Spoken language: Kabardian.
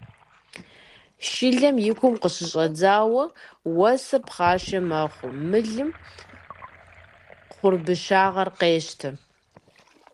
Шылэм и кум къыщыщӀэдзауэ уэсыр пхъашэ мэхъу, мылым кхъурбыщыгъэхэр къещтэ.